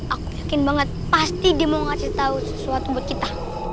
aku yakin banget pasti dia mau ngasih tau sesuatu buat kita